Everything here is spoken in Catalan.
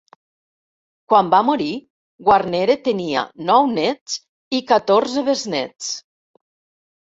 Quan va morir, Guarnere tenia nou nets i catorze besnéts.